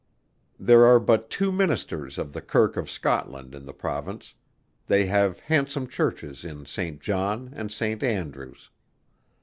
There are but two Ministers of the Kirk of Scotland in the Province; they have handsome churches in Saint John and St. Andrews.